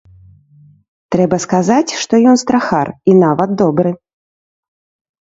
Трэба сказаць, што ён страхар, і нават добры.